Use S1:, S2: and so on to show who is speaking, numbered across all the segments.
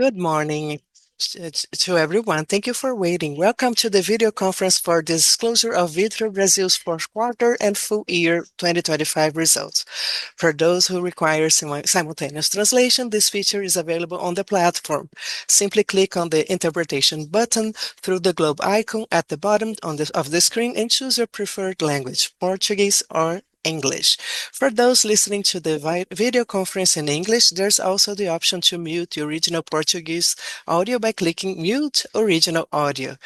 S1: Good morning to everyone. Thank you for waiting. Welcome to the video conference for disclosure of Vitru Brasil's fourth quarter and full year 2025 results. For those who require simultaneous translation, this feature is available on the platform. Simply click on the interpretation button through the globe icon at the bottom of the screen and choose your preferred language, Portuguese or English. For those listening to the video conference in English, there's also the option to mute the original Portuguese audio by clicking Mute Original Audio.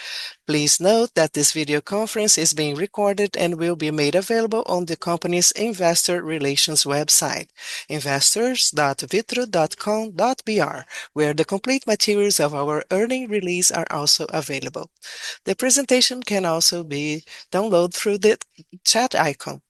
S1: Please note that this video conference is being recorded and will be made available on the company's investor relations website, investors.vitru.com.br, where the complete materials of our earnings release are also available. The presentation can also be downloaded through the chat icon.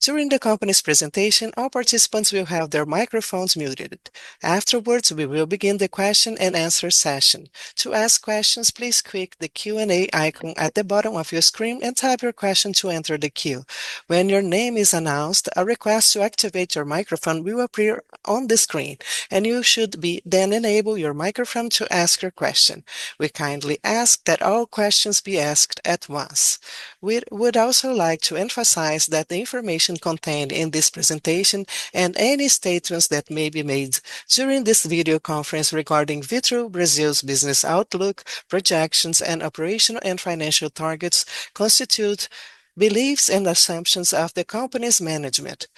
S1: During the company's presentation, all participants will have their microphones muted. Afterwards, we will begin the question-and-answer session. To ask questions, please click the Q&A icon at the bottom of your screen and type your question to enter the queue. When your name is announced, a request to activate your microphone will appear on the screen and you should then enable your microphone to ask your question. We kindly ask that all questions be asked at once. We would also like to emphasize that the information contained in this presentation, and any statements that may be made during this video conference regarding Vitru Brasil's business outlook, projections, and operational and financial targets, constitute beliefs and assumptions of the company's management,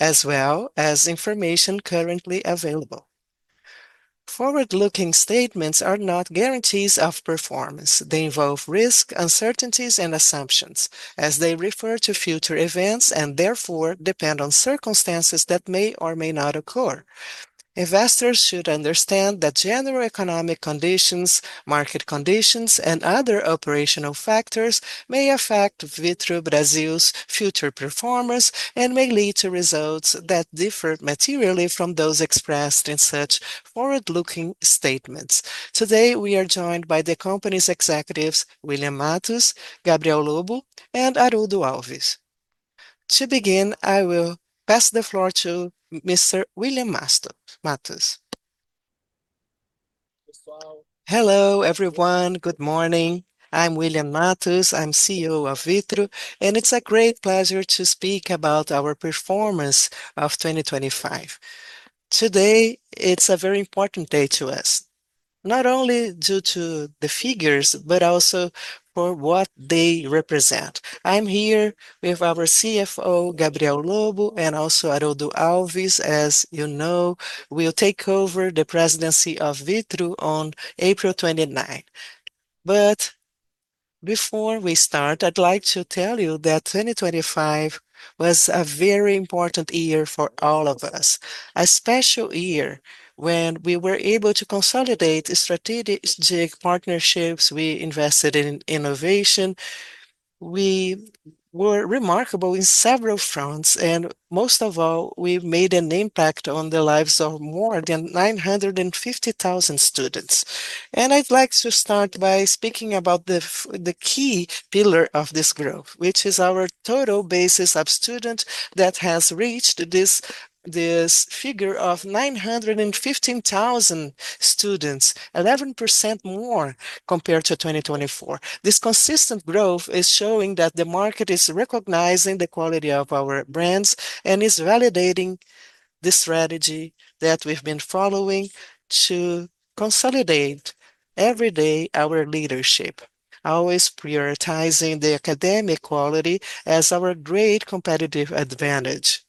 S1: as well as information currently available. Forward-looking statements are not guarantees of performance. They involve risk, uncertainties, and assumptions as they refer to future events and therefore depend on circumstances that may or may not occur. Investors should understand that general economic conditions, market conditions, and other operational factors may affect Vitru Brasil's future performance and may lead to results that differ materially from those expressed in such forward-looking statements. Today, we are joined by the company's executives, William Matos, Gabriel Lobo, and José Aroldo Alves Júnior. To begin, I will pass the floor to Mr. William Matos.
S2: Hello, everyone. Good morning. I'm William Matos, I'm CEO of Vitru, and it's a great pleasure to speak about our performance of 2025. Today, it's a very important day to us, not only due to the figures, but also for what they represent. I'm here with our CFO, Gabriel Lobo, and also José Aroldo Alves Júnior. As you know, will take over the presidency of Vitru on April 29. Before we start, I'd like to tell you that 2025 was a very important year for all of us. A special year when we were able to consolidate strategic partnerships, we invested in innovation. We were remarkable in several fronts, and most of all, we've made an impact on the lives of more than 950,000 students. I'd like to start by speaking about the key pillar of this growth, which is our total student base that has reached this figure of 915,000 students, 11% more compared to 2024. This consistent growth is showing that the market is recognizing the quality of our brands and is validating the strategy that we've been following to consolidate every day our leadership, always prioritizing the academic quality as our great competitive advantage.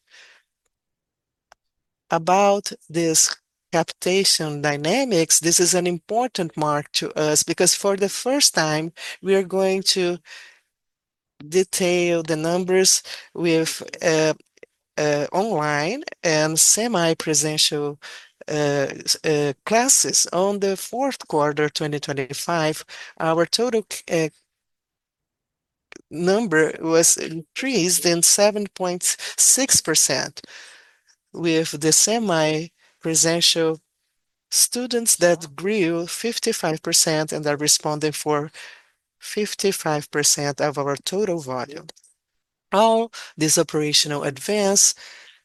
S2: About this captation dynamics, this is an important mark to us because for the first time we are going to detail the numbers with online and semi-presencial classes. On the fourth quarter 2025, our total number was increased in 7.6% with the semi-presencial students that grew 55% and are representing 55% of our total volume. All this operational advance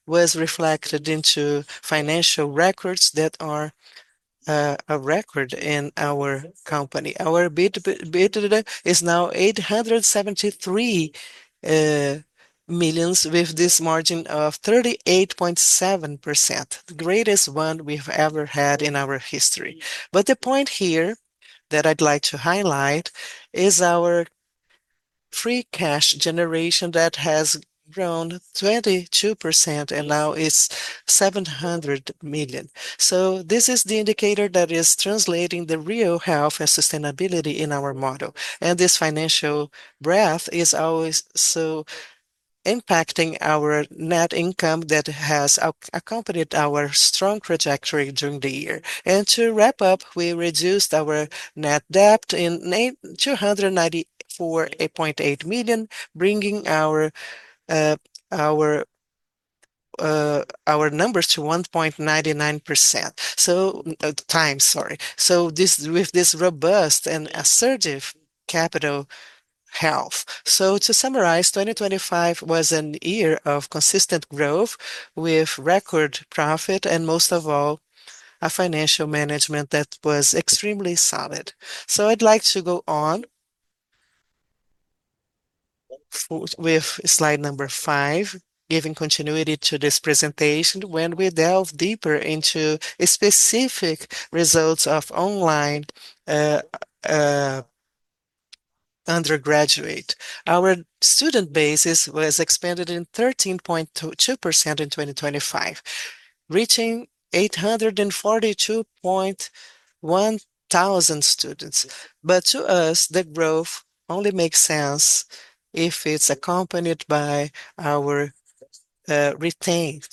S2: was reflected in financial records that are a record in our company. Our EBITDA is now 873 million with this margin of 38.7%, the greatest one we've ever had in our history. The point here that I'd like to highlight is our free cash generation that has grown 22% and now is 700 million. This is the indicator that is translating the real health and sustainability in our model, and this financial breadth is also impacting our net income that has accompanied our strong trajectory during the year. To wrap up, we reduced our net debt by 294.8 million, bringing our numbers to 1.99x. This, with this robust and assertive capital health. To summarize, 2025 was a year of consistent growth with record profit and most of all, a financial management that was extremely solid. I'd like to go on with slide number five, giving continuity to this presentation when we delve deeper into specific results of online undergraduate. Our student base was expanded by 13.2% in 2025, reaching 842.1 thousand students. To us, the growth only makes sense if it's accompanied by our retained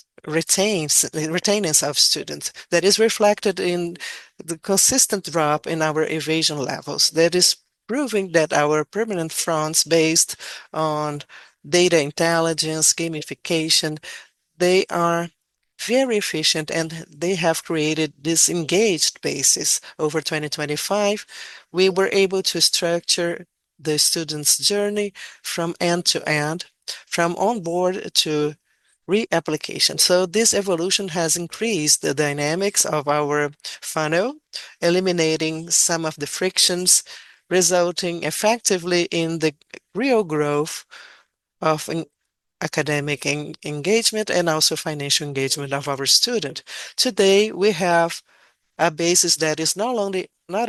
S2: students that is reflected in the consistent drop in our evasion levels. That is proving that our permanent fronts based on data intelligence, gamification, they are very efficient, and they have created this engaged base over 2025. We were able to structure the student's journey from end to end, from onboarding to reapplication. This evolution has increased the dynamics of our funnel, eliminating some of the frictions, resulting effectively in the real growth of an academic engagement and also financial engagement of our student. Today, we have a base that is not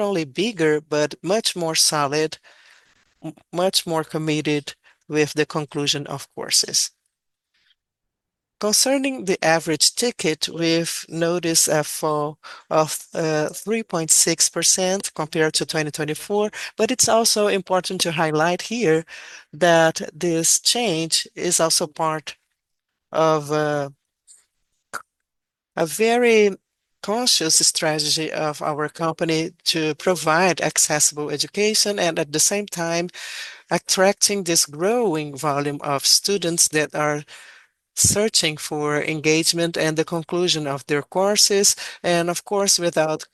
S2: only bigger but much more solid, much more committed with the conclusion of courses. Concerning the average ticket, we've noticed a fall of 3.6% compared to 2024, but it's also important to highlight here that this change is also part of a very conscious strategy of our company to provide accessible education and at the same time attracting this growing volume of students that are searching for engagement and the conclusion of their courses, and of course, without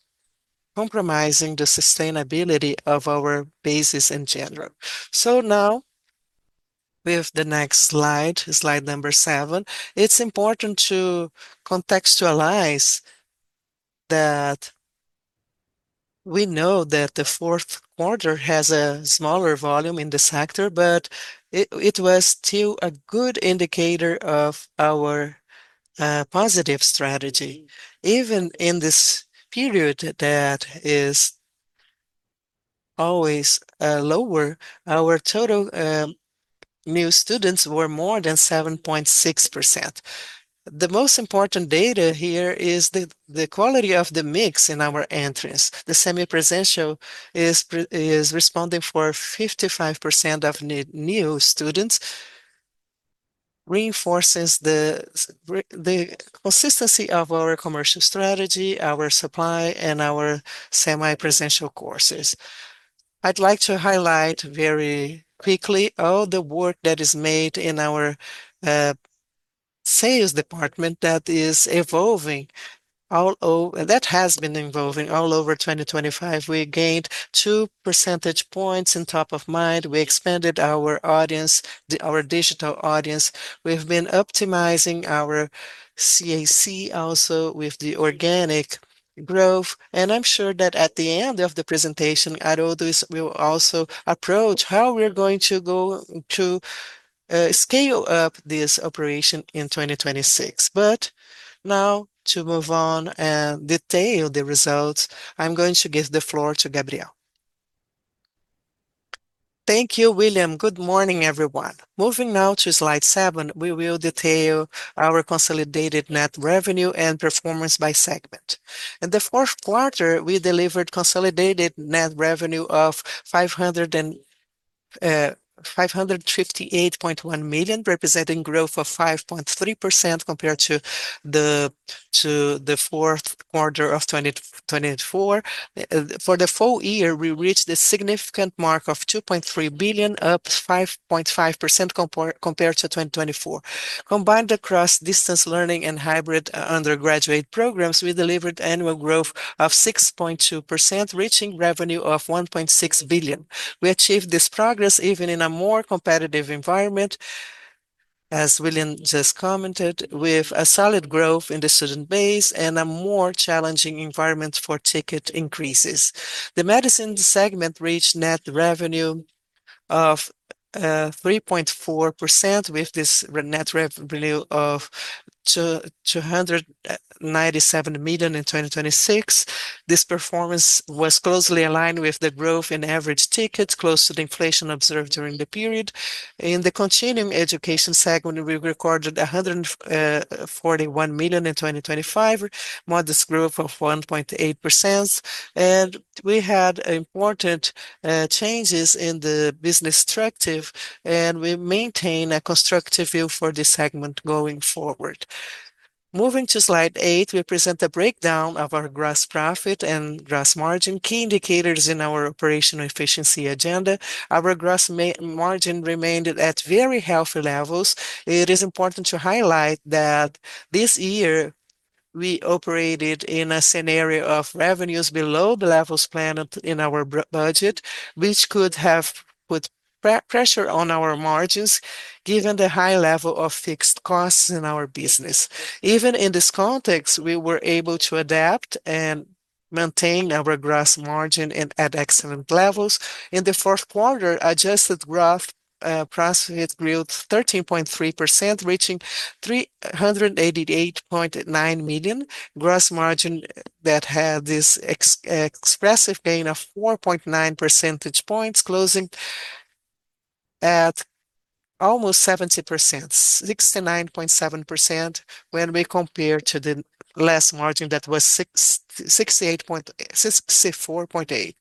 S2: compromising the sustainability of our basis in general. Now with the next slide number seven, it's important to contextualize that we know that the fourth quarter has a smaller volume in this sector, but it was still a good indicator of our positive strategy. Even in this period that is always lower, our total new students were more than 7.6%. The most important data here is the quality of the mix in our entries. The semi-presencial is responsible for 55% of new students reinforces the consistency of our commercial strategy, our supply, and our semi-presencial courses. I'd like to highlight very quickly all the work that is made in our sales department that has been evolving all over 2025. We gained two percentage points in top of mind, We expanded our audience, our digital audience, We've been optimizing our CAC also with the organic growth. I'm sure that at the end of the presentation, Aroldo will also approach how we're going to scale up this operation in 2026. Now to move on and detail the results, I'm going to give the floor to Gabriel.
S3: Thank you, William. Good morning, everyone. Moving now to slide seven, we will detail our consolidated net revenue and performance by segment. In the fourth quarter, we delivered consolidated net revenue of 558.1 million, representing growth of 5.3% compared to the fourth quarter of 2024. For the full year, we reached the significant mark of 2.3 billion, up 5.5% compared to 2024. Combined across distance learning and hybrid undergraduate programs, we delivered annual growth of 6.2%, reaching revenue of 1.6 billion. We achieved this progress even in a more competitive environment, as William just commented, with a solid growth in the student base and a more challenging environment for ticket increases. The medicine segment reached net revenue of 3.4% with this net revenue of 297 million in 2026. This performance was closely aligned with the growth in average tickets close to the inflation observed during the period. In the continuing education segment, we recorded 141 million in 2025, modest growth of 1.8%. We had important changes in the business structure, and we maintain a constructive view for this segment going forward. Moving to slide eight, we present a breakdown of our gross profit and gross margin, key indicators in our operational efficiency agenda. Our gross margin remained at very healthy levels. It is important to highlight that this year we operated in a scenario of revenues below the levels planned in our budget, which could have put pressure on our margins given the high level of fixed costs in our business. Even in this context, we were able to adapt and maintain our gross margin and at excellent levels. In the fourth quarter adjusted growth profit growth 13.3%, reaching 388.9 million. Gross margin that had this expressive gain of 4.9 percentage points closing at almost 70%, 69.7% when we compare to the last margin that was 64.8%.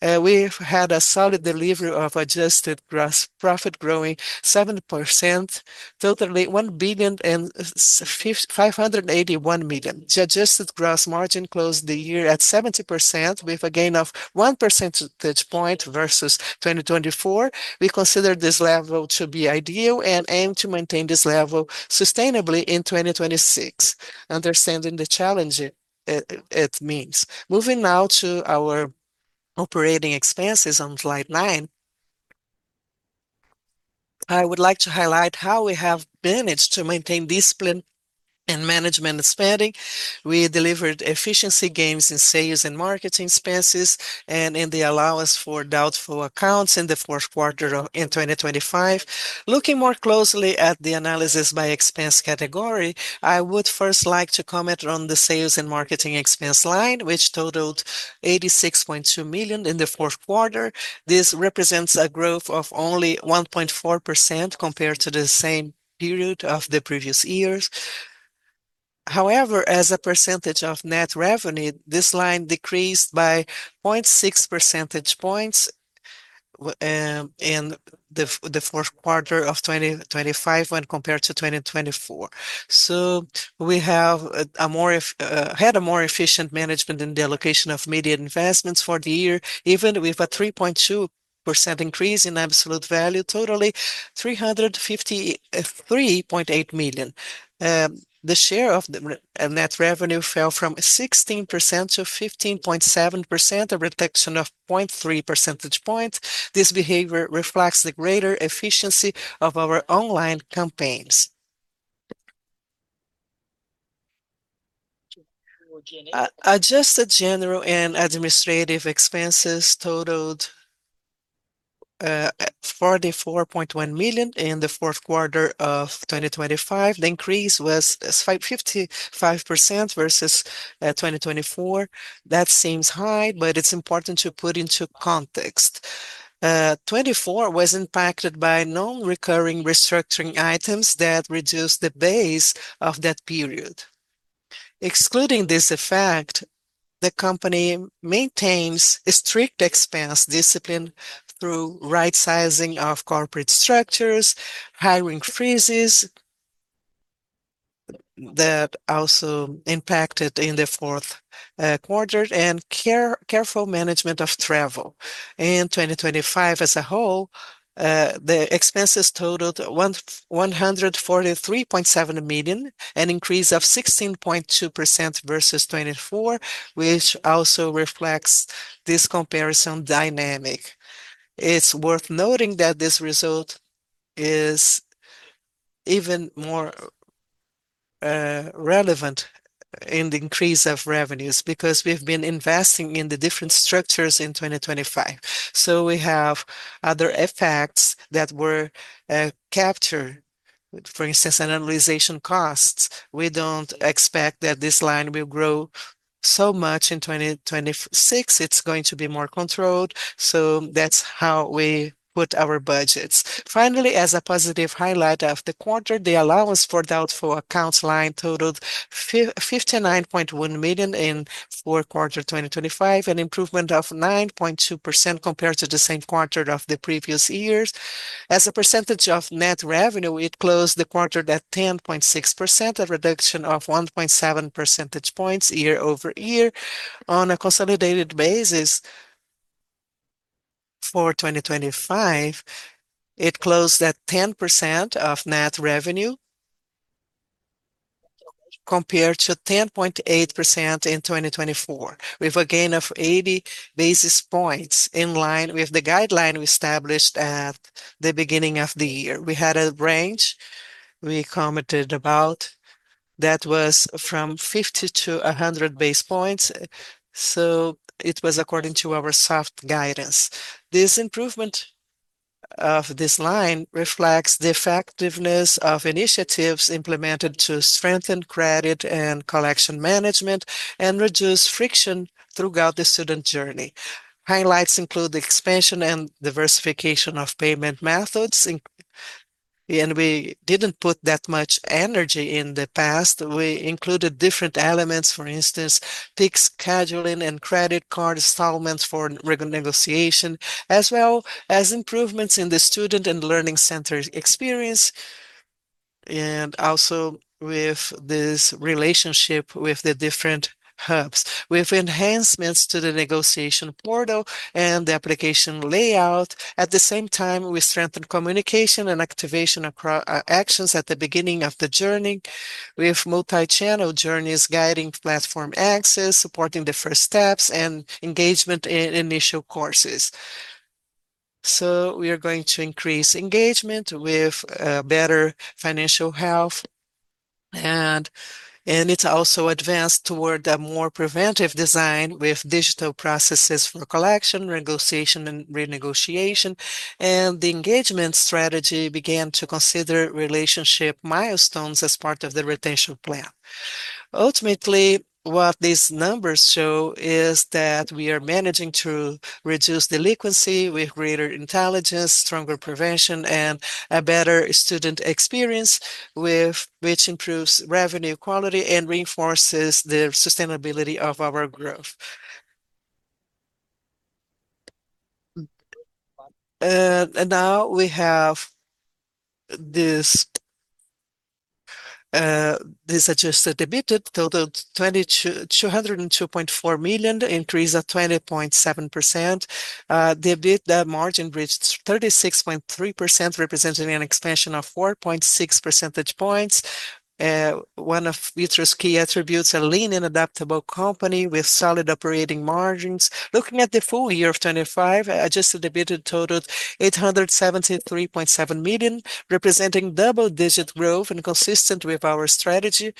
S3: We've had a solid delivery of adjusted gross profit growing 7%, totally 1,581 million. The adjusted gross margin closed the year at 70% with a gain of one percentage point versus 2024. We consider this level to be ideal and aim to maintain this level sustainably in 2026, understanding the challenge it means. Moving now to our operating expenses on slide nine, I would like to highlight how we have managed to maintain discipline in management spending. We delivered efficiency gains in sales and marketing expenses and in the allowance for doubtful accounts in the fourth quarter of 2025. Looking more closely at the analysis by expense category, I would first like to comment on the sales and marketing expense line, which totaled 86.2 million in the fourth quarter. This represents a growth of only 1.4% compared to the same period of the previous years. However, as a percentage of net revenue, this line decreased by 0.6 percentage points in the fourth quarter of 2025 when compared to 2024. We had a more efficient management in the allocation of media investments for the year even with a 3.2% increase in absolute value, totaling 353.8 million. The share of the net revenue fell from 16%-15.7%, a reduction of 0.3 percentage points. This behavior reflects the greater efficiency of our online campaigns. Adjusted general and administrative expenses totaled 44.1 million in the fourth quarter of 2025. The increase was 55% versus 2024. That seems high, but it's important to put into context. 2024 was impacted by non-recurring restructuring items that reduced the base of that period. Excluding this effect, the company maintains strict expense discipline through right-sizing of corporate structures, hiring freezes that also impacted in the fourth quarter, and careful management of travel. In 2025 as a whole the expenses totaled 143.7 million, an increase of 16.2% versus 2024, which also reflects this comparison dynamic. It's worth noting that this result is even more relevant in the increase of revenues because we've been investing in the different structures in 2025. We have other effects that were captured. For instance, amortization costs. We don't expect that this line will grow so much in 2026. It's going to be more controlled, so that's how we put our budgets. Finally, as a positive highlight of the quarter, the allowance for doubtful accounts line totaled 59.1 million in fourth quarter 2025, an improvement of 9.2% compared to the same quarter of the previous year. As a percentage of net revenue, it closed the quarter at 10.6%, a reduction of 1.7 percentage points year-over-year. On a consolidated basis for 2025, it closed at 10% of net revenue compared to 10.8% in 2024. With a gain of 80 basis points in line with the guideline we established at the beginning of the year. We had a range we commented about that was from 50 basis points to 100 basis points, so it was according to our soft guidance. This improvement of this line reflects the effectiveness of initiatives implemented to strengthen credit and collection management and reduce friction throughout the student journey. Highlights include the expansion and diversification of payment methods, and we didn't put that much energy in the past. We included different elements, for instance, PIX scheduling and credit card installments for renegotiation, as well as improvements in the student and learning center experience, and also with this relationship with the different hubs. With enhancements to the negotiation portal and the application layout. At the same time, we strengthen communication and activation actions at the beginning of the journey with multi-channel journeys guiding platform access, supporting the first steps and engagement in initial courses. We are going to increase engagement with better financial health, and it also advances toward a more preventive design with digital processes for collection, renegotiation, and renegotiation. The engagement strategy began to consider relationship milestones as part of the retention plan. Ultimately, what these numbers show is that we are managing to reduce delinquency with greater intelligence, stronger prevention, and a better student experience with which improves revenue quality and reinforces the sustainability of our growth. Now we have this adjusted EBITDA total 202.4 million, increase of 20.7%. The margin reached 36.3%, representing an expansion of 4.6 percentage points. One of Vitru's key attributes, a lean and adaptable company with solid operating margins. Looking at the full year of 2025, adjusted EBITDA totaled 873.7 million, representing double-digit growth and consistent with our strategy.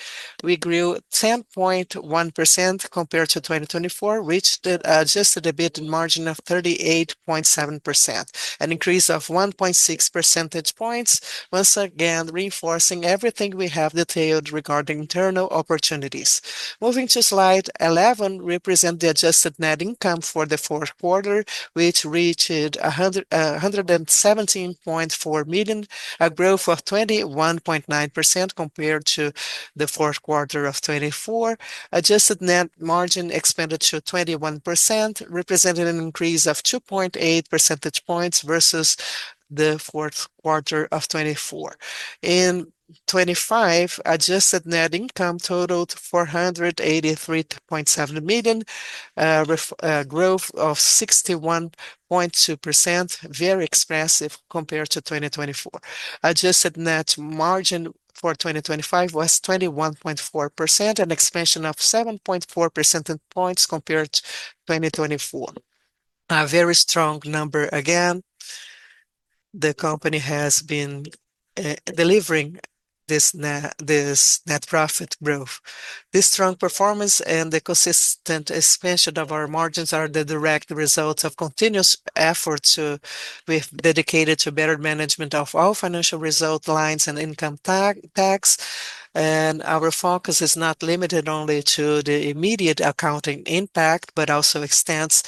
S3: We grew 10.1% compared to 2024, adjusted EBITDA margin of 38.7%, an increase of 1.6 percentage points, once again reinforcing everything we have detailed regarding internal opportunities. Moving to slide 11 represent the adjusted net income for the fourth quarter, which reached a 117.4 million, a growth of 21.9% compared to the fourth quarter of 2024. Adjusted net margin expanded to 21%, representing an increase of 2.8 percentage points versus the fourth quarter of 2024. In 2025, adjusted net income totaled 483.7 million, a growth of 61.2%, very expressive compared to 2024. Adjusted net margin for 2025 was 21.4%, an expansion of 7.4 percentage points compared to 2024. A very strong number again. The company has been delivering this net profit growth. This strong performance and the consistent expansion of our margins are the direct results of continuous efforts we've dedicated to better management of all financial result lines and income tax. Our focus is not limited only to the immediate accounting impact, but also extends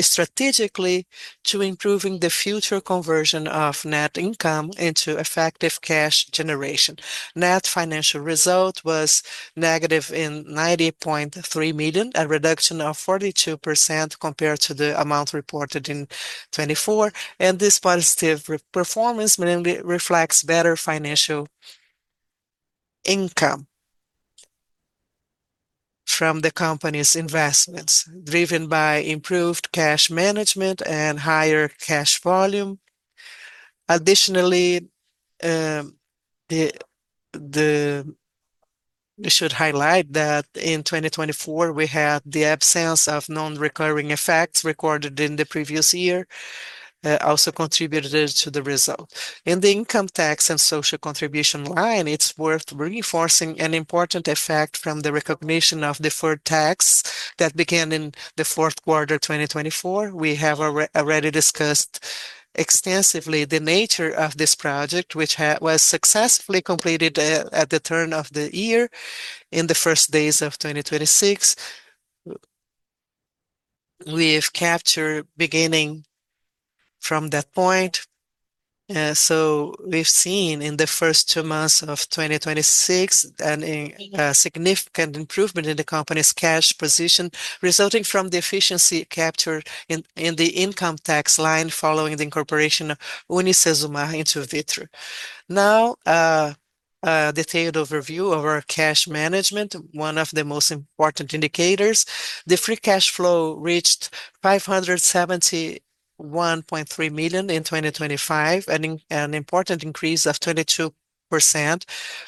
S3: strategically to improving the future conversion of net income into effective cash generation. Net financial result was -90.3 million, a reduction of 42% compared to the amount reported in 2024. This positive performance mainly reflects better financial income from the company's investments, driven by improved cash management and higher cash volume. Additionally, we should highlight that in 2024, we had the absence of non-recurring effects recorded in the previous year, also contributed to the result. In the income tax and social contribution line, it's worth reinforcing an important effect from the recognition of deferred tax that began in the fourth quarter 2024. We have already discussed extensively the nature of this project, which was successfully completed at the turn of the year in the first days of 2026. We've captured beginning from that point. We've seen in the first two months of 2026 a significant improvement in the company's cash position resulting from the efficiency captured in the income tax line following the incorporation of UniCesumar into Vitru. Now, a detailed overview of our cash management, one of the most important indicators. The free cash flow reached 571.3 million in 2025, an important increase of 22%,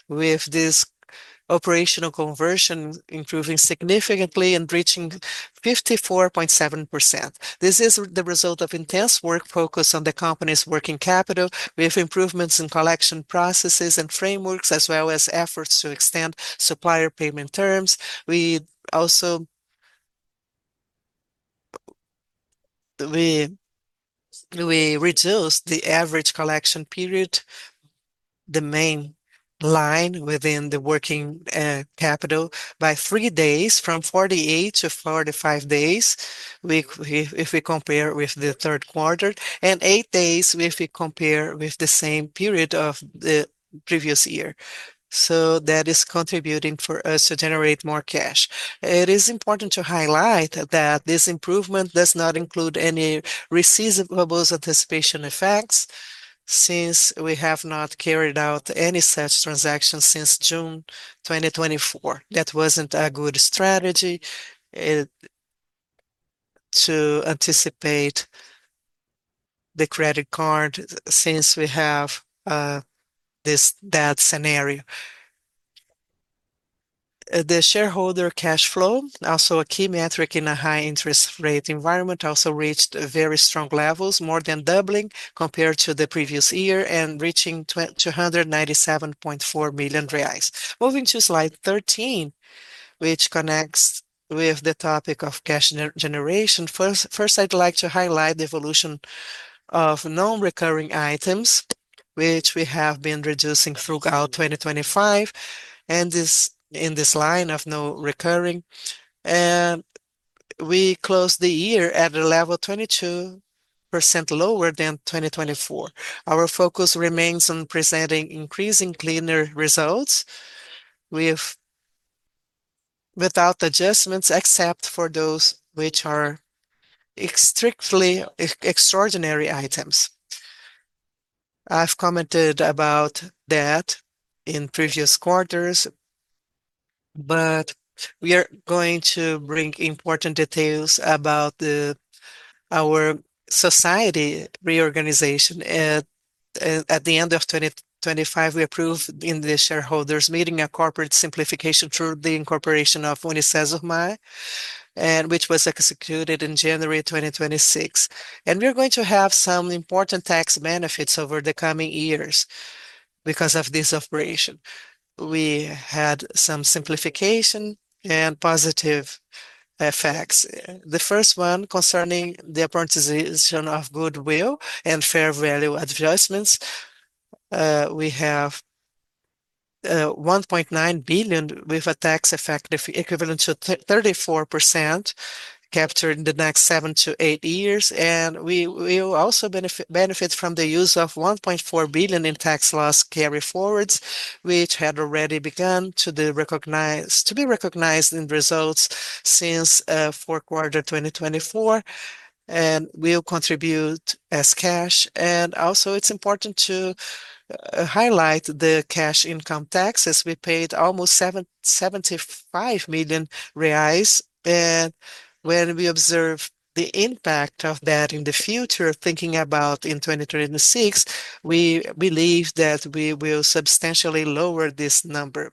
S3: with this operational conversion improving significantly and reaching 54.7%. This is the result of intense work focused on the company's working capital with improvements in collection processes and frameworks, as well as efforts to extend supplier payment terms. We reduced the average collection period, the main line within the working capital by three days from 48 to 45 days. If we compare with the third quarter and eight days, if we compare with the same period of the previous year. That is contributing for us to generate more cash. It is important to highlight that this improvement does not include any receivables anticipation effects. Since we have not carried out any such transactions since June 2024. That wasn't a good strategy to anticipate the credit card since we have this scenario. The shareholder cash flow, also a key metric in a high interest rate environment, also reached very strong levels, more than doubling compared to the previous year and reaching 297.4 million reais. Moving to slide 13, which connects with the topic of cash generation. First, I'd like to highlight the evolution of non-recurring items, which we have been reducing throughout 2025, and in this line of non-recurring. We closed the year at a level 22% lower than 2024. Our focus remains on presenting increasingly cleaner results without adjustments, except for those which are strictly extraordinary items. I've commented about that in previous quarters, but we are going to bring important details about our corporate reorganization. At the end of 2025, we approved in the shareholders' meeting a corporate simplification through the incorporation of UniCesumar, which was executed in January 2026. We're going to have some important tax benefits over the coming years because of this operation. We had some simplification and positive effects. The first one concerning the amortization of goodwill and fair value adjustments. We have 1.9 billion with a tax effect equivalent to 34% captured in the next seven to eight years. We will also benefit from the use of 1.4 billion in tax loss carry-forwards, which had already begun to be recognized in results since fourth quarter 2024 and will contribute as cash. Also it's important to highlight the cash income taxes. We paid almost 75 million reais. When we observe the impact of that in the future, thinking about in 2026, we believe that we will substantially lower this number.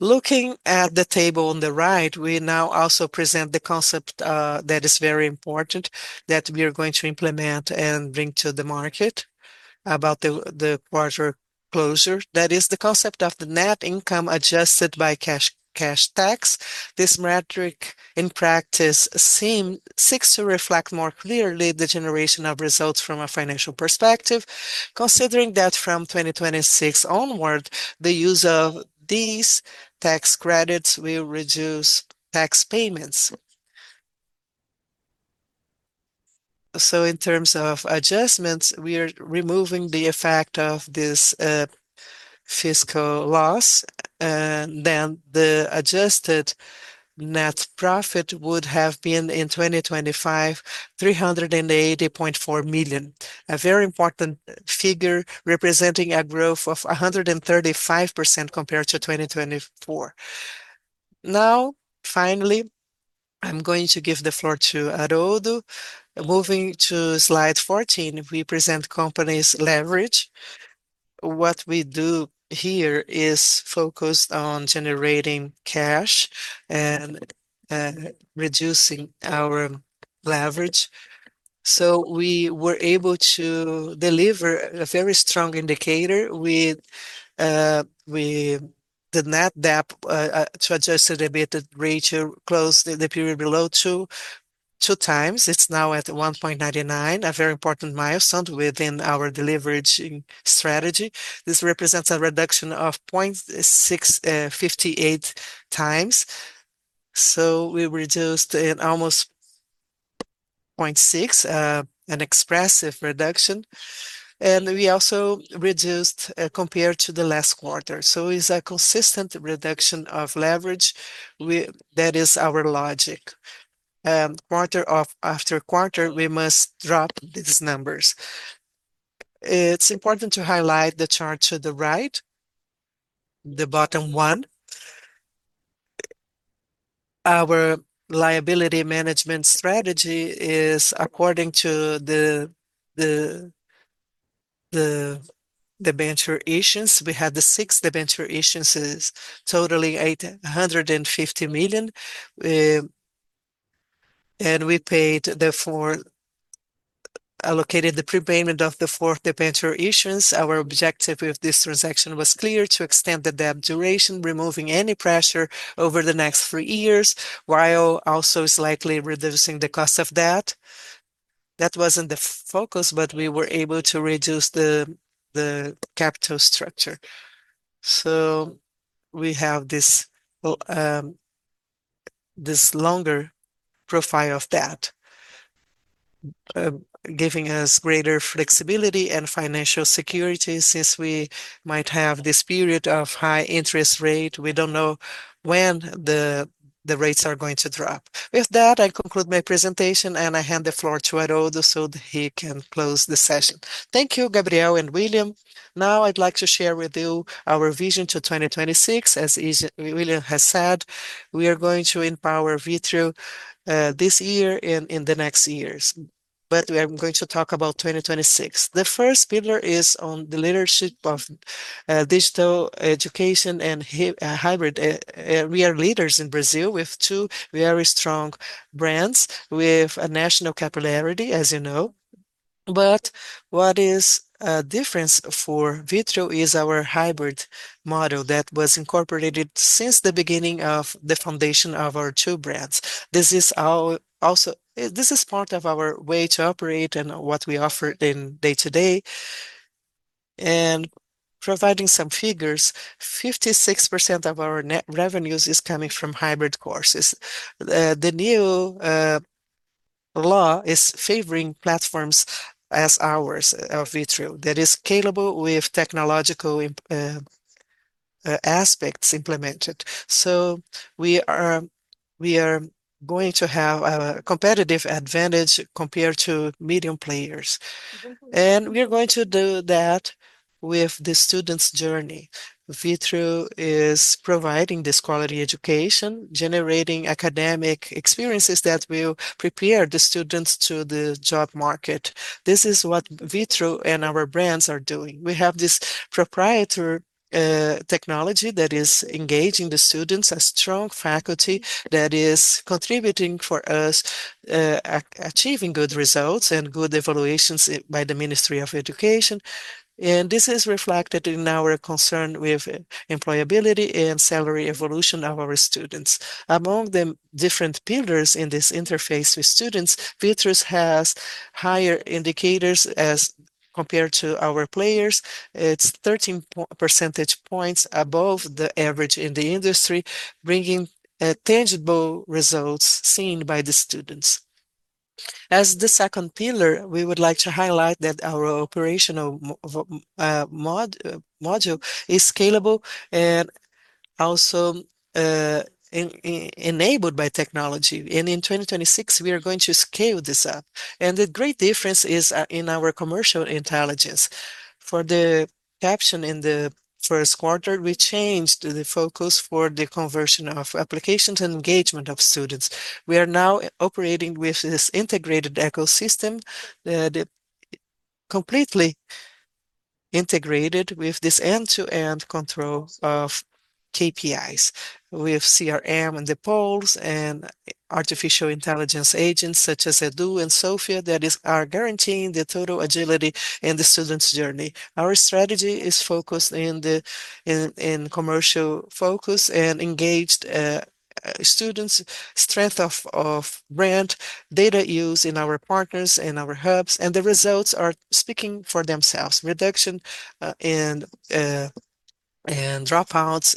S3: Looking at the table on the right, we now also present the concept, that is very important that we are going to implement and bring to the market about the quarter closure. That is the concept of the net income adjusted by cash tax. This metric in practice seeks to reflect more clearly the generation of results from a financial perspective, considering that from 2026 onward, the use of these tax credits will reduce tax payments. In terms of adjustments, we are removing the effect of this, fiscal loss, then the adjusted net profit would have been in 2025, 380.4 million. A very important figure representing a growth of 135% compared to 2024. Now, finally, I'm going to give the floor to Aroldo. Moving to slide 14, we present the company's leverage. What we do here is focus on generating cash and reducing our leverage. We were able to deliver a very strong indicator with the net debt to adjusted EBITDA ratio closed in the period below 2x It's now at 1.99x, a very important milestone within our deleveraging strategy. This represents a reduction of 0.658x. We reduced in almost 0.6, an expressive reduction, and we also reduced compared to the last quarter. It's a consistent reduction of leverage. That is our logic. Quarter after quarter, we must drop these numbers. It's important to highlight the chart to the right, the bottom one. Our liability management strategy is according to the debenture issuance. We had the sixth debenture issuance, which is totally BRL 850 million. We allocated the prepayment of the fourth debenture issuance. Our objective with this transaction was clear, to extend the debt duration, removing any pressure over the next three years, while also slightly reducing the cost of debt. That wasn't the focus, but we were able to reduce the capital structure. We have this longer profile of debt, giving us greater flexibility and financial security since we might have this period of high interest rates. We don't know when the rates are going to drop. With that, I conclude my presentation, and I hand the floor to Aroldo so that he can close the session.
S4: Thank you, Gabriel and William. Now I'd like to share with you our vision to 2026. As William has said, we are going to empower Vitru this year and in the next years, but we are going to talk about 2026. The first pillar is on the leadership of digital education and hybrid. We are leaders in Brazil with two very strong brands, with a national capillarity, as you know. But what is different for Vitru is our hybrid model that was incorporated since the beginning of the foundation of our two brands. This is also part of our way to operate and what we offer in day to day. Providing some figures, 56% of our net revenues is coming from hybrid courses. The new law is favoring platforms as ours, of Vitru, that is scalable with technological aspects implemented. We are going to have a competitive advantage compared to medium players, and we're going to do that with the students' journey. Vitru is providing this quality education, generating academic experiences that will prepare the students to the job market. This is what Vitru and our brands are doing. We have this proprietary technology that is engaging the students, a strong faculty that is contributing for us achieving good results and good evaluations by the Ministry of Education, and this is reflected in our concern with employability and salary evolution of our students. Among the different pillars in this interface with students, Vitru's has higher indicators as compared to our players. It's 13 percentage points above the average in the industry, bringing tangible results seen by the students. As the second pillar, we would like to highlight that our operational module is scalable and also enabled by technology, and in 2026, we are going to scale this up. The great difference is in our commercial intelligence. For the campaign in the first quarter, we changed the focus for the conversion of applications and engagement of students. We are now operating with this integrated ecosystem, completely integrated with this end-to-end control of KPIs. We have CRM and the tools and artificial intelligence agents such as Edu and Sophia that are guaranteeing the total agility in the students' journey. Our strategy is focused in commercial focus and engaged students, strength of brand, data use in our partners and our hubs, and the results are speaking for themselves. Reduction in dropouts,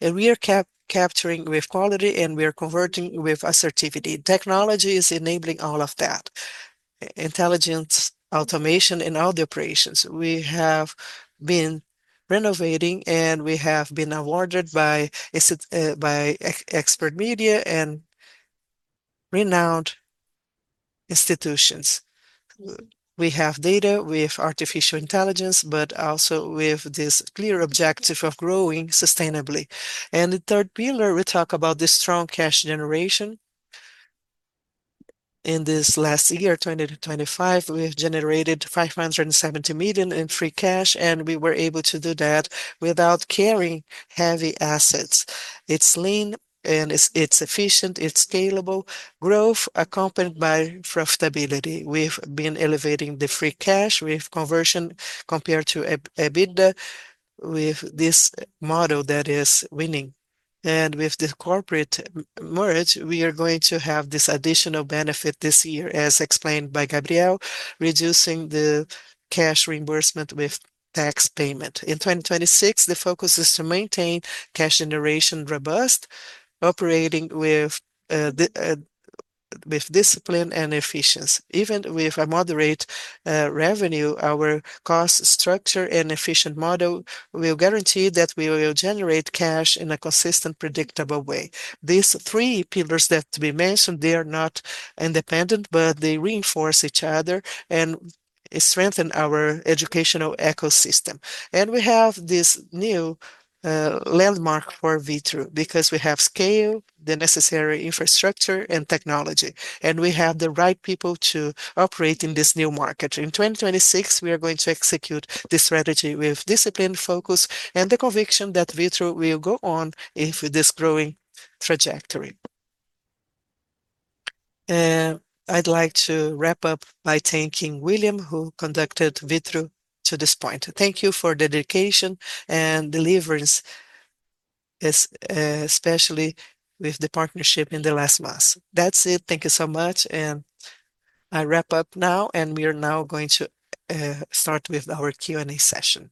S4: and we are capturing with quality, and we are converting with assertiveness. Technology is enabling all of that. Intelligence, automation in all the operations. We have been innovating, and we have been awarded by expert media and renowned institutions. We have data with artificial intelligence, but also with this clear objective of growing sustainably. The third pillar, we talk about the strong cash generation. In this last year, 2020 to 2025, we've generated 570 million in free cash, and we were able to do that without carrying heavy assets. It's lean, and it's efficient. It's scalable. Growth accompanied by profitability. We've been elevating the free cash flow conversion compared to EBITDA with this model that is winning. With the corporate merge, we are going to have this additional benefit this year, as explained by Gabriel, reducing the cash reimbursement with tax payment. In 2026, the focus is to maintain cash generation robust, operating with discipline and efficiency. Even with a moderate revenue our cost structure and efficient model will guarantee that we will generate cash in a consistent, predictable way. These three pillars that we mentioned, they are not independent, but they reinforce each other and strengthen our educational ecosystem. We have this new landmark for Vitru because we have scale, the necessary infrastructure and technology, and we have the right people to operate in this new market. In 2026, we are going to execute the strategy with disciplined focus and the conviction that Vitru will go on with this growing trajectory. I'd like to wrap up by thanking William, who conducted Vitru to this point. Thank you for dedication and deliverance, especially with the partnership in the last months. That's it. Thank you so much, and I wrap up now, and we are now going to start with our Q&A session.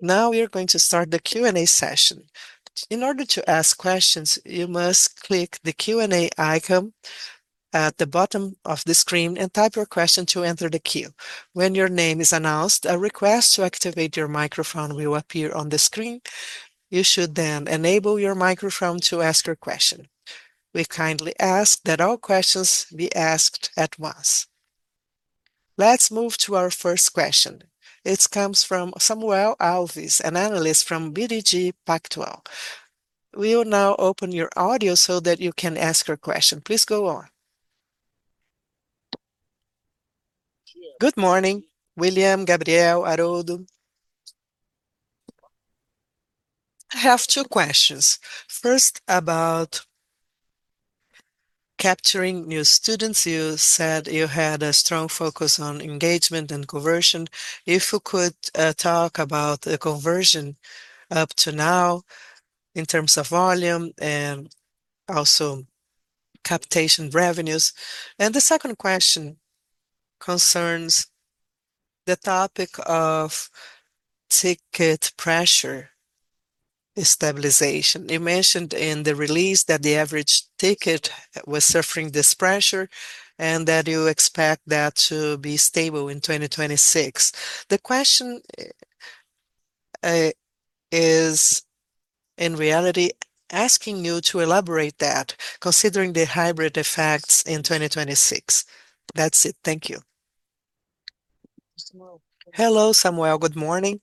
S1: Now we are going to start the Q&A session. In order to ask questions, you must click the Q&A icon at the bottom of the screen and type your question to enter the queue. When your name is announced, a request to activate your microphone will appear on the screen. You should then enable your microphone to ask your question. We kindly ask that all questions be asked at once. Let's move to our first question. It comes from Samuel Alves, an analyst from BTG Pactual. We will now open your audio so that you can ask your question. Please go on.
S5: Good morning, William, Gabriel, Aroldo. I have two questions. First, about capturing new students. You said you had a strong focus on engagement and conversion. If you could, talk about the conversion up to now in terms of volume and also captation revenues. The second question concerns the topic of ticket pressure stabilization. You mentioned in the release that the average ticket was suffering this pressure and that you expect that to be stable in 2026. The question is in reality asking you to elaborate that considering the hybrid effects in 2026. That's it. Thank you.
S4: Hello, Samuel. Good morning.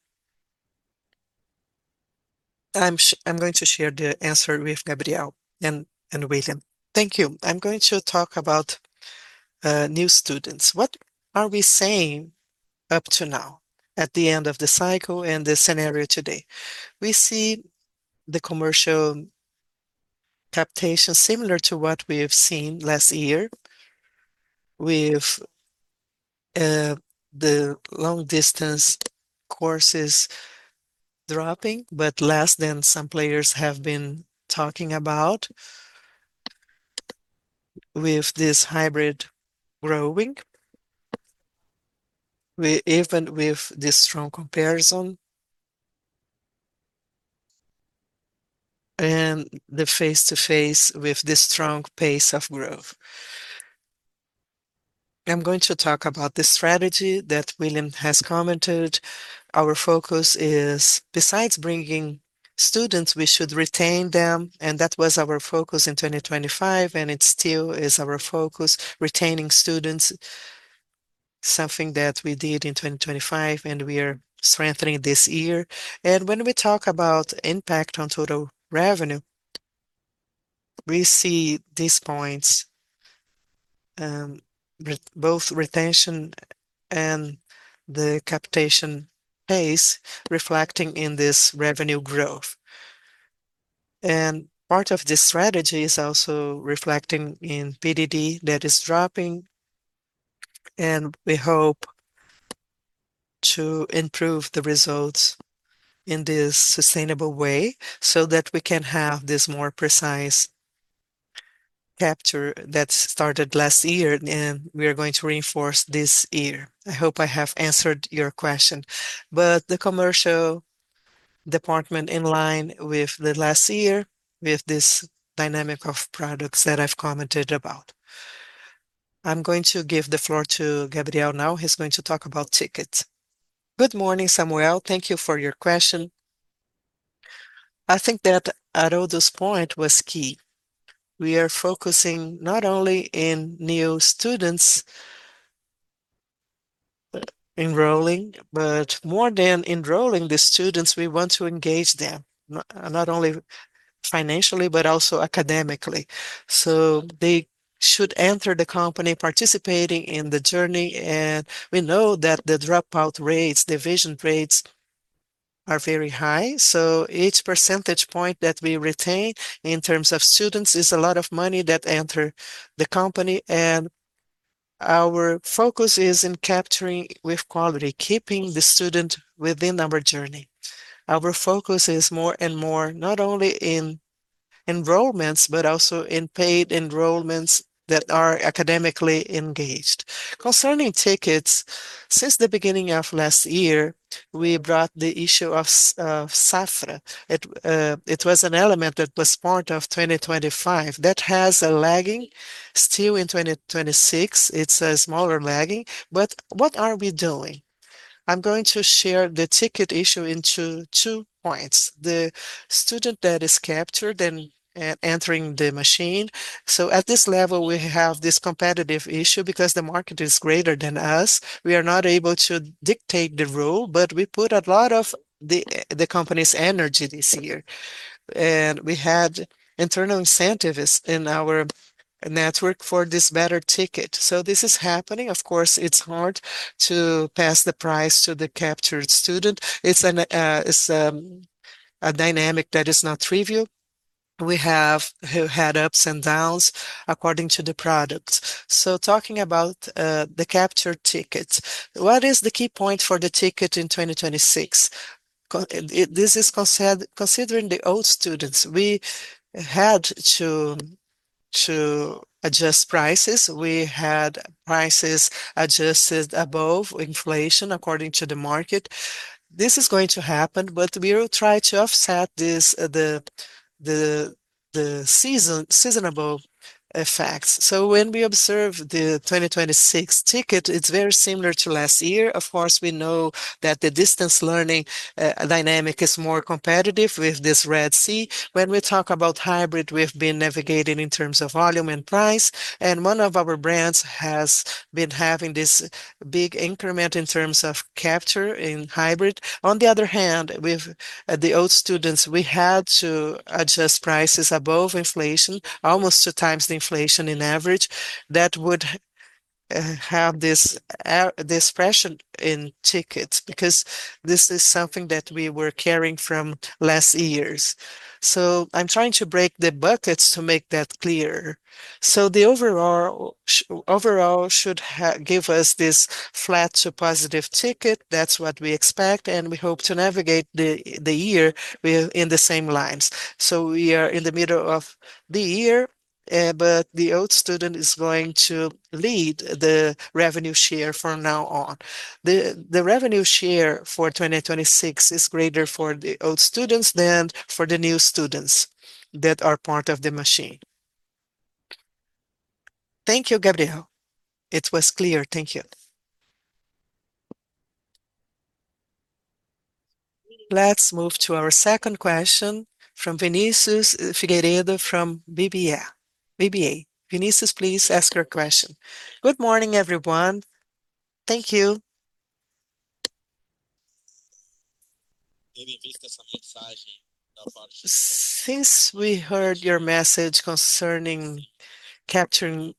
S4: I'm going to share the answer with Gabriel and William. Thank you. I'm going to talk about new students. What are we saying up to now at the end of the cycle and the scenario today? We see the commercial capitation similar to what we have seen last year with the long-distance courses dropping, but less than some players have been talking about with this hybrid growing. Even with this strong comparison and the face-to-face with this strong pace of growth. I'm going to talk about the strategy that William has commented. Our focus is, besides bringing students, we should retain them, and that was our focus in 2025, and it still is our focus, retaining students, something that we did in 2025, and we are strengthening this year. When we talk about impact on total revenue, we see these points with both retention and the capitation pace reflecting in this revenue growth. Part of this strategy is also reflecting in PDD that is dropping, and we hope to improve the results in this sustainable way so that we can have this more precise capture that started last year, and we are going to reinforce this year. I hope I have answered your question. The commercial department in line with the last year with this dynamic of products that I've commented about. I'm going to give the floor to Gabriel now, who's going to talk about tickets.
S3: Good morning, Samuel. Thank you for your question. I think that Aroldo's point was key. We are focusing not only in new students enrolling, but more than enrolling the students, we want to engage them, not only financially, but also academically. They should enter the company participating in the journey, and we know that the dropout rates, retention rates are very high. Each percentage point that we retain in terms of students is a lot of money that enter the company, and our focus is in capturing with quality, keeping the student within our journey. Our focus is more and more not only in enrollments, but also in paid enrollments that are academically engaged. Concerning tickets, since the beginning of last year, we brought the issue of safra. It was an element that was part of 2025. That has a lagging still in 2026. It's a smaller lagging, but what are we doing? I'm going to share the ticket issue into two points. The student that is captured and entering the machine. At this level, we have this competitive issue because the market is greater than us. We are not able to dictate the rule, but we put a lot of the company's energy this year. We had internal incentives in our network for this better ticket. This is happening. Of course, it's hard to pass the price to the captured student. It's a dynamic that is not trivial. We have had ups and downs according to the products. Talking about the captured tickets, what is the key point for the ticket in 2026? This is considering the old students. We had to adjust prices. We had prices adjusted above inflation according to the market. This is going to happen, but we will try to offset this, the seasonal effects. When we observe the 2026 ticket, it's very similar to last year. Of course, we know that the distance learning dynamic is more competitive with this Red Ocean. When we talk about hybrid, we've been navigating in terms of volume and price, and one of our brands has been having this big increment in terms of capture in hybrid. On the other hand, with the old students, we had to adjust prices above inflation, almost two times the inflation on average that would have this pressure in tickets because this is something that we were carrying from last years. I'm trying to break the buckets to make that clear. The overall should give us this flat to positive ticket. That's what we expect, and we hope to navigate the year within the same lines. We are in the middle of the year, but the old student is going to lead the revenue share from now on. The revenue share for 2026 is greater for the old students than for the new students that are part of the machine.
S5: Thank you, Gabriel. It was clear. Thank you.
S1: Let's move to our second question from Vinicius Figueiredo from BBA. Vinicius, please ask your question.
S6: Good morning, everyone. Thank you. Since we heard your message concerning capturing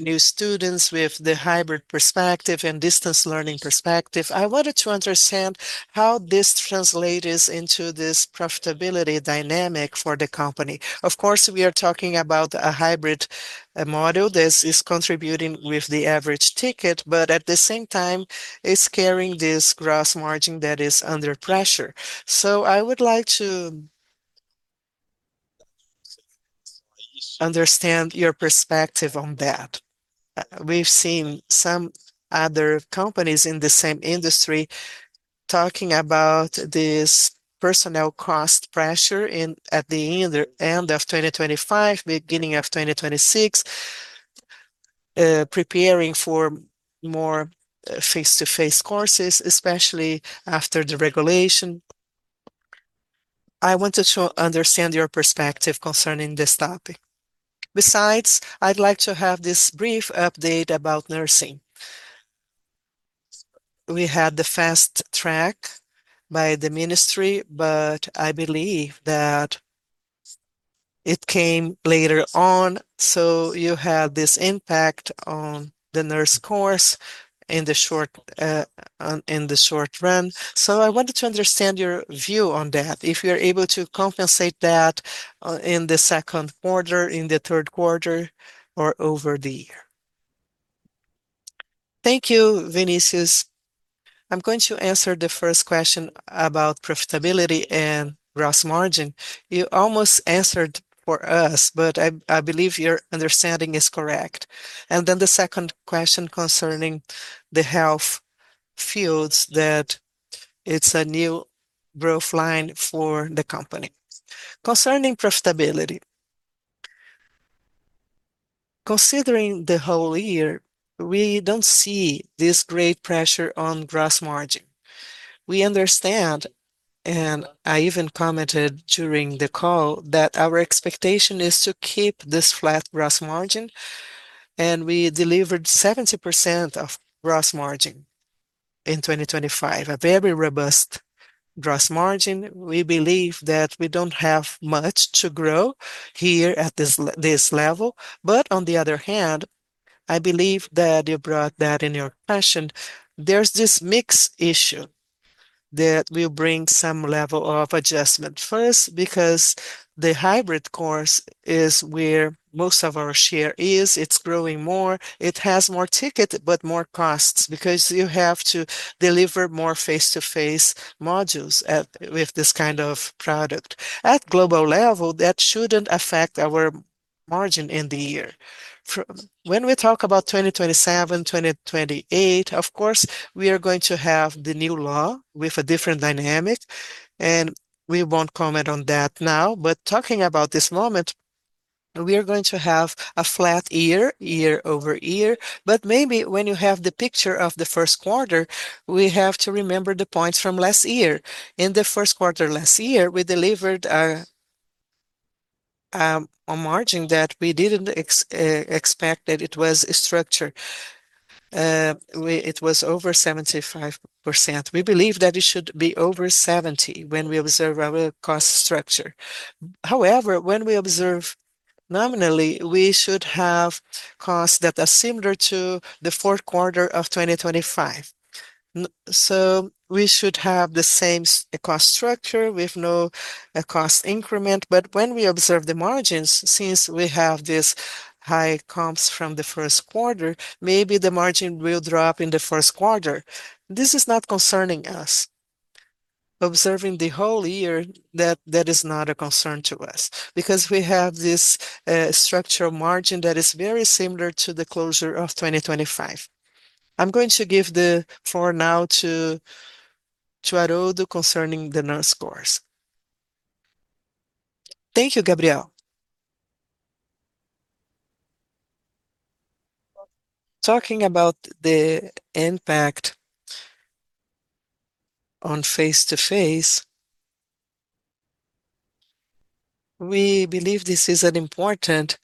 S6: new students with the hybrid perspective and distance learning perspective, I wanted to understand how this translates into this profitability dynamic for the company. Of course, we are talking about a hybrid model that is contributing with the average ticket, but at the same time, it's carrying this gross margin that is under pressure. I would like to understand your perspective on that. We've seen some other companies in the same industry talking about this personnel cost pressure at the end of 2025, beginning of 2026, preparing for more face-to-face courses, especially after the regulation. I wanted to understand your perspective concerning this topic. Besides, I'd like to have this brief update about nursing. We had the fast track by the ministry, but I believe that it came later on, so you had this impact on the nurse course in the short run. I wanted to understand your view on that, if you're able to compensate that in the second quarter, in the third quarter or over the year.
S3: Thank you, Vinicius. I'm going to answer the first question about profitability and gross margin. You almost answered for us, but I believe your understanding is correct. The second question concerning the health fields that it's a new growth line for the company. Concerning profitability, considering the whole year, we don't see this great pressure on gross margin. We understand, and I even commented during the call that our expectation is to keep this flat gross margin, and we delivered 70% gross margin in 2025, a very robust gross margin. We believe that we don't have much to grow here at this level. On the other hand, I believe that you brought that in your question. There's this mix issue that will bring some level of adjustment. First, because the hybrid course is where most of our share is. It's growing more. It has more ticket, but more costs because you have to deliver more face-to-face modules with this kind of product. At global level, that shouldn't affect our margin in the year. When we talk about 2027, 2028, of course, we are going to have the new law with a different dynamic, and we won't comment on that now. Talking about this moment, we are going to have a flat year over year. Maybe when you have the picture of the first quarter, we have to remember the points from last year. In the first quarter last year, we delivered a margin that we didn't expect that it was a structure. It was over 75%. We believe that it should be over 70% when we observe our cost structure. However, when we observe nominally, we should have costs that are similar to the fourth quarter of 2025. We should have the same cost structure with no cost increment. When we observe the margins, since we have these high comps from the first quarter, maybe the margin will drop in the first quarter. This is not concerning us. Observing the whole year, that is not a concern to us because we have this structural margin that is very similar to the closure of 2025. I'm going to give the floor now to Aroldo concerning the nursing course.
S4: Thank you, Gabriel. Talking about the impact on face-to-face, we believe this is an important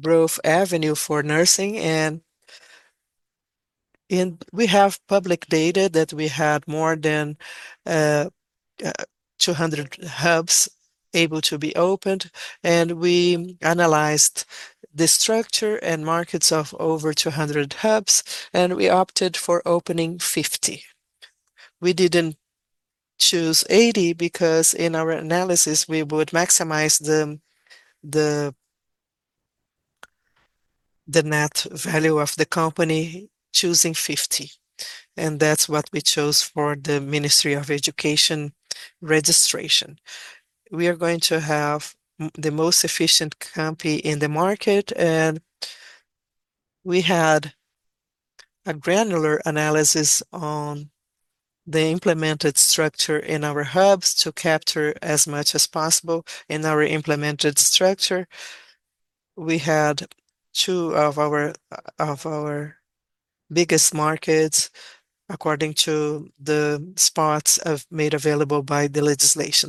S4: growth avenue for nursing and we have public data that we had more than 200 hubs able to be opened, and we analyzed the structure and markets of over 200 hubs, and we opted for opening 50. We didn't choose 80 because in our analysis we would maximize the net value of the company choosing 50, and that's what we chose for the Ministério da Educação registration. We are going to have the most efficient company in the market, and we had a granular analysis on the implemented structure in our hubs to capture as much as possible. In our implemented structure, we had two of our biggest markets according to the spots made available by the legislation.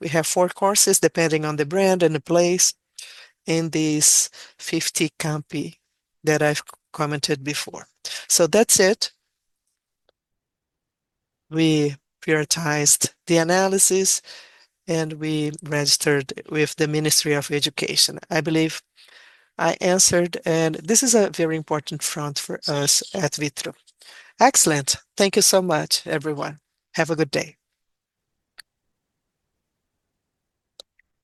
S4: We have four courses, depending on the brand and the place in these 50 campi that I've commented before. That's it. We prioritized the analysis, and we registered with the Ministry of Education. I believe I answered, and this is a very important front for us at Vitru.
S6: Excellent. Thank you so much, everyone. Have a good day.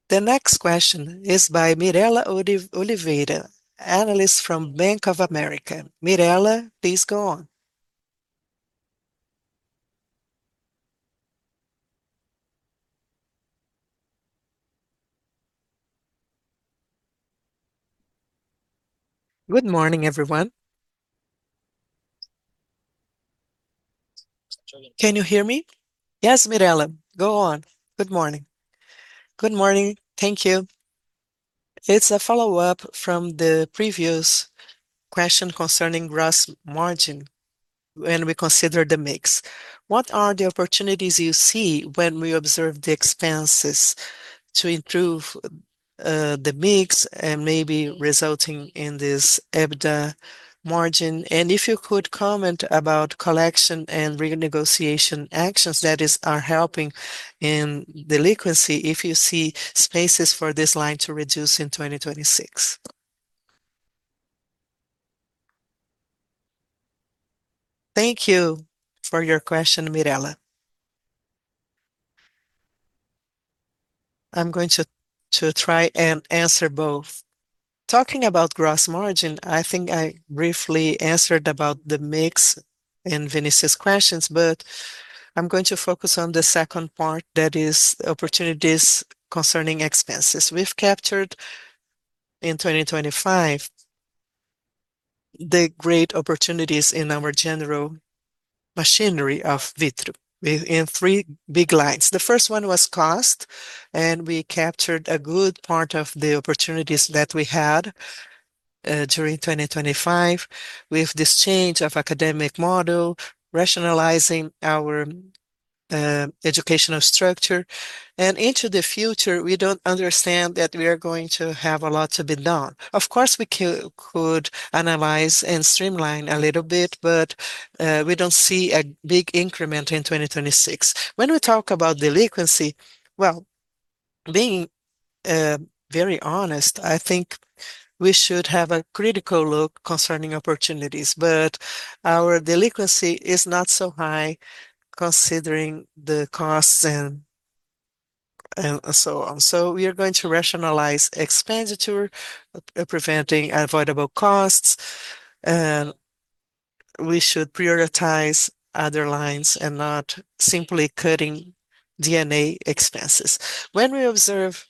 S1: The next question is by Mirela Oliveira, analyst from Bank of America. Mirela, please go on.
S7: Good morning, everyone. Can you hear me?
S1: Yes, Mirela. Go on. Good morning.
S7: Good morning. Thank you. It's a follow-up from the previous question concerning gross margin when we consider the mix. What are the opportunities you see when we observe the expenses to improve the mix and maybe resulting in this EBITDA margin? And if you could comment about collection and renegotiation actions that are helping in delinquency, if you see spaces for this line to reduce in 2026.
S3: Thank you for your question, Mirela. I'm going to try and answer both. Talking about gross margin, I think I briefly answered about the mix in Vinicius' questions, but I'm going to focus on the second part, that is opportunities concerning expenses. We've captured in 2025 the great opportunities in our general machinery of Vitru within three big lines. The first one was cost, and we captured a good part of the opportunities that we had, during 2025 with this change of academic model, rationalizing our educational structure. Into the future, we don't understand that we are going to have a lot to be done. Of course, we could analyze and streamline a little bit, but we don't see a big increment in 2026. When we talk about delinquency, well, being very honest, I think we should have a critical look concerning opportunities, but our delinquency is not so high considering the costs and so on. We are going to rationalize expenditure, preventing avoidable costs, and we should prioritize other lines and not simply cutting G&A expenses. When we observe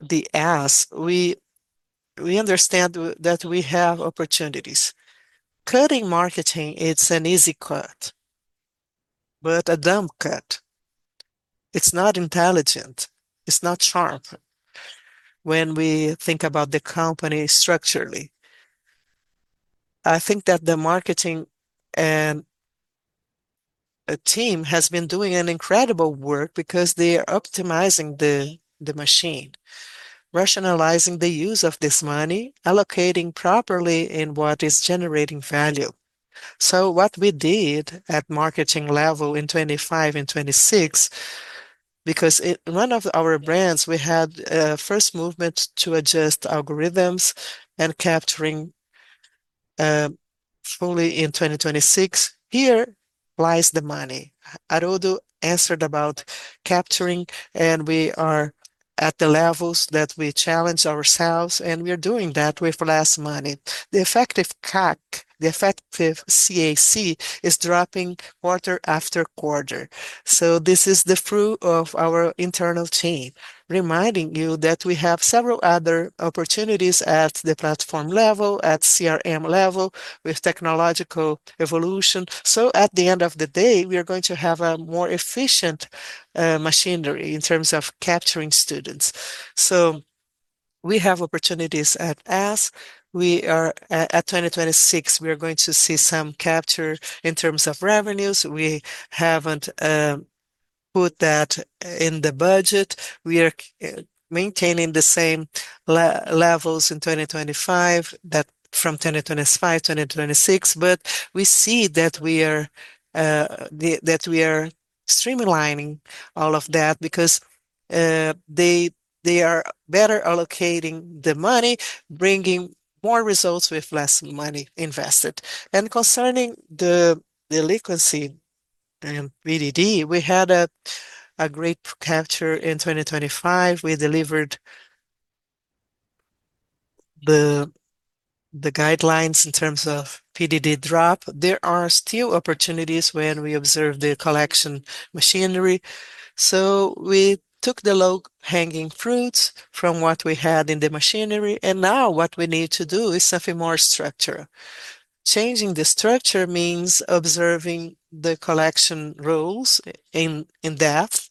S3: the ads, we understand that we have opportunities. Cutting marketing, it's an easy cut, but a dumb cut. It's not intelligent. It's not sharp when we think about the company structurally. I think that the marketing and team has been doing an incredible work because they are optimizing the machine, rationalizing the use of this money, allocating properly in what is generating value. What we did at marketing level in 2025 and 2026, because one of our brands, we had a first movement to adjust algorithms and capturing, fully in 2026. Here lies the money. Aroldo answered about capturing, and we are at the levels that we challenge ourselves, and we are doing that with less money. The effective CAC, the effective CAC, is dropping quarter after quarter. This is the fruit of our internal team. Reminding you that we have several other opportunities at the platform level, at CRM level, with technological evolution. At the end of the day, we are going to have a more efficient machinery in terms of capturing students. We have opportunities at [S&M]. At 2026, we are going to see some capture in terms of revenues. We haven't put that in the budget. We are maintaining the same levels in 2025, that from 2025, 2026. We see that we are streamlining all of that because they are better allocating the money, bringing more results with less money invested. Concerning the delinquency and PDD, we had a great capture in 2025. We delivered the guidelines in terms of PDD drop. There are still opportunities when we observe the collection machinery. We took the low-hanging fruits from what we had in the machinery, and now what we need to do is have a more structure. Changing the structure means observing the collection rules in depth,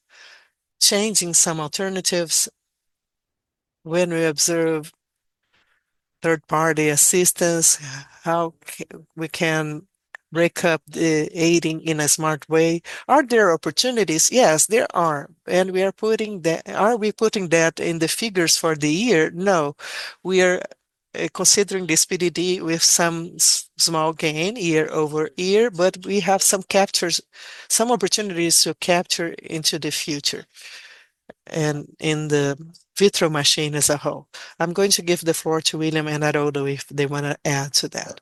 S3: changing some alternatives. When we observe third-party assistance, how we can break up the aiding in a smart way. Are there opportunities? Yes, there are. We are putting that. Are we putting that in the figures for the year? No. We are considering this PDD with some small gain year-over-year, but we have some captures, some opportunities to capture into the future and in the Vitru machine as a whole. I'm going to give the floor to William and Aroldo if they wanna add to that.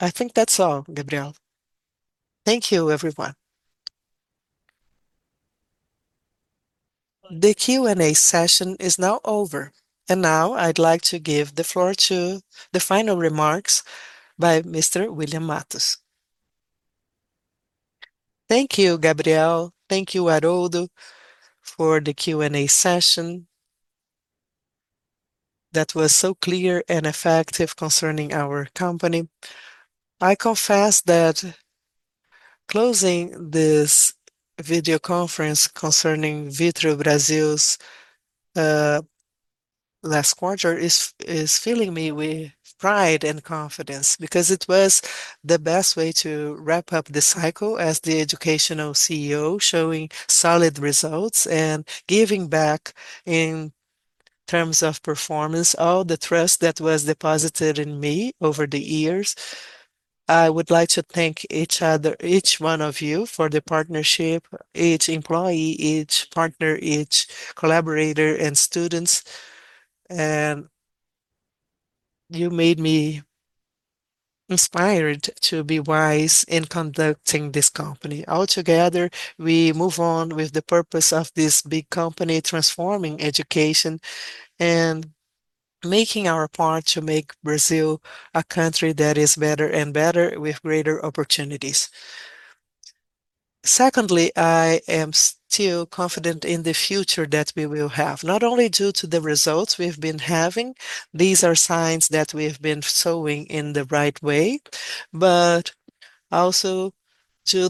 S4: I think that's all, Gabriel. Thank you, everyone.
S1: The Q&A session is now over. Now I'd like to give the floor to the final remarks by Mr. William Matos.
S2: Thank you, Gabriel. Thank you, Aroldo, for the Q&A session that was so clear and effective concerning our company. I confess that closing this video conference concerning Vitru Brasil's last quarter is filling me with pride and confidence because it was the best way to wrap up the cycle as the educational CEO, showing solid results and giving back in terms of performance all the trust that was deposited in me over the years. I would like to thank each other, each one of you for the partnership, each employee, each partner, each collaborator and students. You made me inspired to be wise in conducting this company. Altogether, we move on with the purpose of this big company transforming education and making our part to make Brazil a country that is better and better with greater opportunities. Secondly, I am still confident in the future that we will have, not only due to the results we've been having, these are signs that we've been sowing in the right way, but also to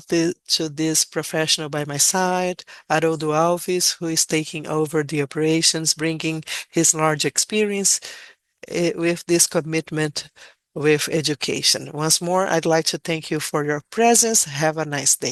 S2: this professional by my side, Aroldo Alves, who is taking over the operations, bringing his large experience, with this commitment with education. Once more, I'd like to thank you for your presence. Have a nice day.